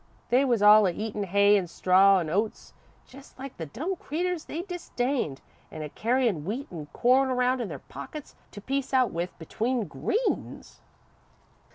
They was all a eatin' hay an' straw an' oats just like the dumb creeters they disdained, an' a carryin' wheat an' corn around in their pockets to piece out with between greens.